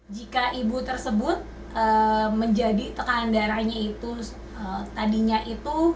jika ibu tersebut menjadi tekanan darahnya itu tadinya itu satu ratus empat puluh